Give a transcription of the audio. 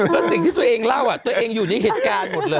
แล้วสิ่งที่ตัวเองเล่าตัวเองอยู่ในเหตุการณ์หมดเลย